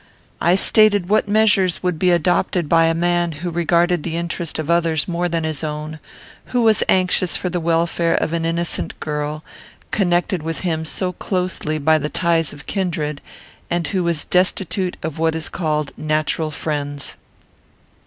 I stated what measures would be adopted by a man who regarded the interest of others more than his own; who was anxious for the welfare of an innocent girl, connected with him so closely by the ties of kindred, and who was destitute of what is called natural friends.